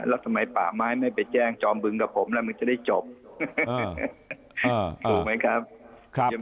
แล้วทำไมป่าไม้ไม่ไปแจ้งจอมบึงกับผมแล้วมันจะได้จบถูกไหมครับ